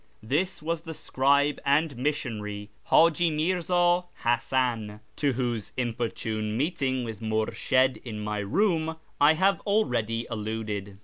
This was the scribe and missionary, Haji Mirza Hasan, to whose inopportune meeting with Murshid in my room I have already alluded.